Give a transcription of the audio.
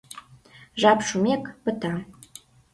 — Жап шумек, пыта.